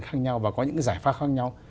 khác nhau và có những giải pháp khác nhau